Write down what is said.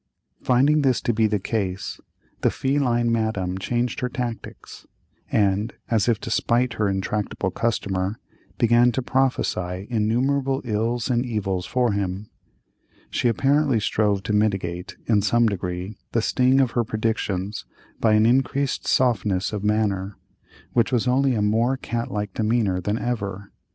Finding this to be the case, the feline Madame changed her tactics, and, as if to spite her intractable customer, began to prophesy innumerable ills and evils for him. She apparently strove to mitigate, in some degree, the sting of her predictions by an increased softness of manner, which was only a more cat like demeanor than ever.